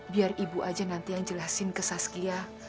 biar ibu aja nanti yang jelasin ke saskia